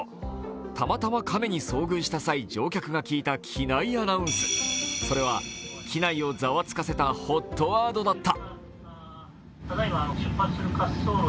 たまたま亀に遭遇した際、乗客が聞いた機内アナウンス、それは機内をざわつかせたＨＯＴワードだった。